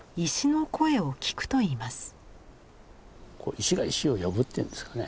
石が石を呼ぶっていうんですかね。